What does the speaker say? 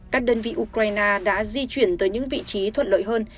các đơn vị ukraine đã di chuyển tới những vị trí thuận lợi hơn